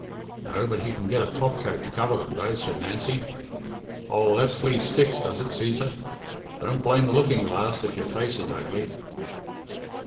"No, but he can get a topcoat to cover them, though," said Nancy. "Oh, that flea sticks, does it, Cæsar? Don't blame the looking glass if your face is ugly."